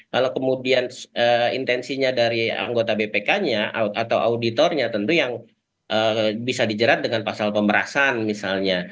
kalau kemudian intensinya dari anggota bpk nya atau auditornya tentu yang bisa dijerat dengan pasal pemerasan misalnya